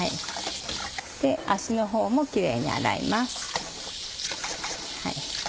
足のほうもキレイに洗います。